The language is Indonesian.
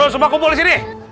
turun semua kumpul di sini